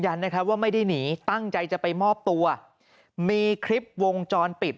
นะครับว่าไม่ได้หนีตั้งใจจะไปมอบตัวมีคลิปวงจรปิด